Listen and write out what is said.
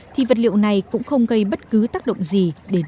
thì vật liệu này cũng không gây bất cứ tác động gì